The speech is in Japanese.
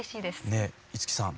ねえ五木さん